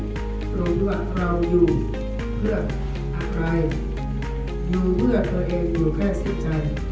รู้ว่าเราอยู่เพื่ออะไรอยู่เพื่อตัวเองอยู่แค่เสียใจ